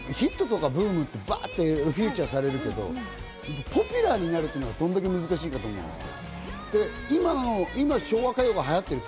ヒットとかブームとかってバッとフューチャーされるけど、ポピュラーになるっていうのがどんだけ難しいかだと思うんです。